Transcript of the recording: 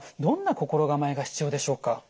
どんな心構えが必要でしょうか？